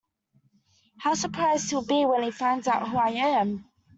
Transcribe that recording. How surprised he’ll be when he finds out who I am!